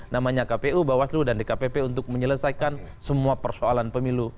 namanya kpu bawaslu dan dkpp untuk menyelesaikan semua persoalan pemilu